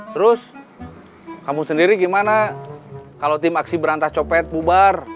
terus kamu sendiri gimana kalau tim aksi berantah copet bubar